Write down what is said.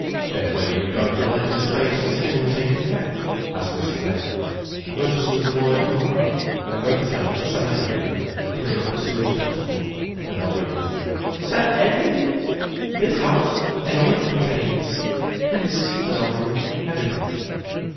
"And when are you going to let this fatal decision take effect?" asked Mr. May. "I'm going to see the lawyer tomorrow, and I'm going to tell him to sell everything and clear up as soon as possible," said Alvina. "Sell everything! This house, and all it contains?" "Yes," said Alvina. "Everything."